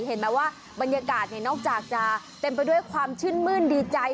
เห็นไหมว่าบรรยากาศนอกจากจะเต็มไปด้วยความชื่นมื้นดีใจ